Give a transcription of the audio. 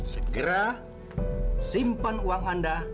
segera simpan uang anda